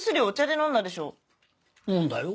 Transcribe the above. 飲んだよ。